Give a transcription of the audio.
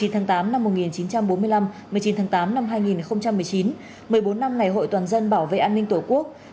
một mươi tháng tám năm một nghìn chín trăm bốn mươi năm một mươi chín tháng tám năm hai nghìn một mươi chín một mươi bốn năm ngày hội toàn dân bảo vệ an ninh tổ quốc